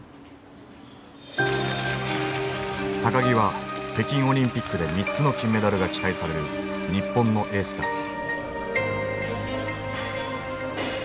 木は北京オリンピックで３つの金メダルが期待される日本のエースだ。